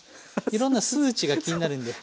いろんな数値が気になるんで。